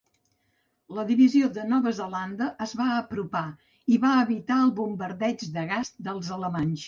La divisió de Nova Zelanda es va apropar i va evitar el bombardeig de gas dels alemanys.